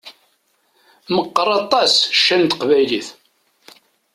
Meqqeṛ aṭas ccan n teqbaylit!